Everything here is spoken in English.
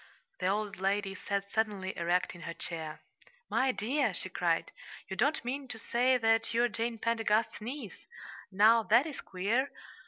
The old lady sat suddenly erect in her chair. "My dear," she cried, "you don't mean to say that you're Jane Pendergast's niece! Now, that is queer!